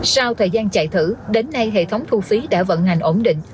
sau thời gian chạy thử đến nay hệ thống thu phí đã vận hành ổn định